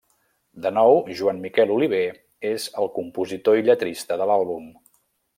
De nou, Joan Miquel Oliver, és el compositor i lletrista de l'àlbum.